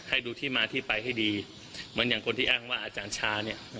ให้ดูที่มาที่ไปให้ดีเหมือนอย่างคนที่อ้างว่าอาจารย์ชาเนี่ย